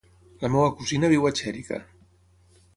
La meva cosina viu a Xèrica.